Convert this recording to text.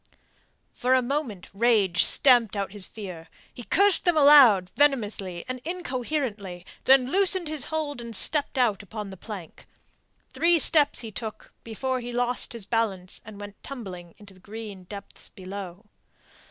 For a moment rage stamped out his fear. He cursed them aloud venomously and incoherently, then loosed his hold and stepped out upon the plank. Three steps he took before he lost his balance and went tumbling into the green depths below.